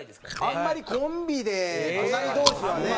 あんまりコンビで隣同士はね。